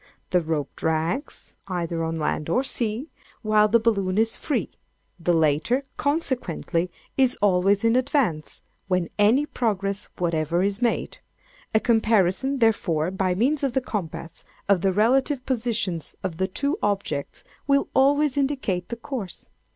The rope drags, either on land or sea, while the balloon is free; the latter, consequently, is always in advance, when any progress whatever is made: a comparison, therefore, by means of the compass, of the relative positions of the two objects, will always indicate the course.